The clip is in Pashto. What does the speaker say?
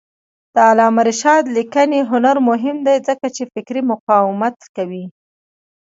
د علامه رشاد لیکنی هنر مهم دی ځکه چې فکري مقاومت کوي.